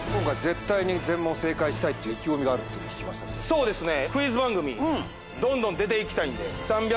そうですね。